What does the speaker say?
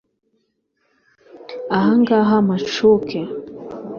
Ahangaha mpacuke